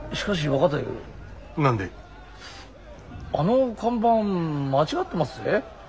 あの看板間違ってますぜ。